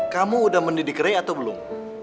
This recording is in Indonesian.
kamu udah mendidik ray atau belum